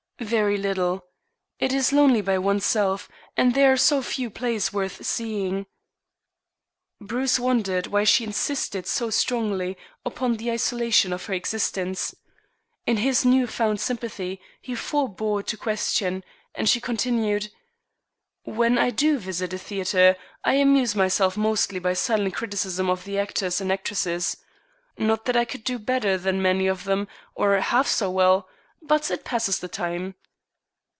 "Very little. It is lonely by oneself, and there are so few plays worth seeing." Bruce wondered why she insisted so strongly upon the isolation of her existence. In his new found sympathy he forebore to question, and she continued: "When I do visit a theatre I amuse myself mostly by silent criticism of the actors and actresses. Not that I could do better than many of them, or half so well, but it passes the time."